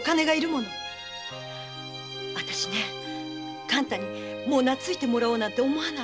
もう勘太になついてもらおうなんて思わない。